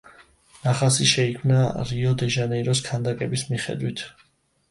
ნახაზი შეიქმნა რიო-დე-ჟანეიროს ქანდაკების მიხედვით.